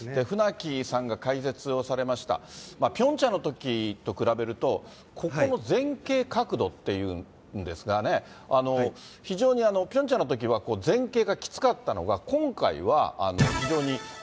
船木さんが解説をされましたピョンチャンのときと比べると、ここの前傾角度っていうんですかね、非常にピョンチャンのときは、前傾がきつかったのが、今回は非常に。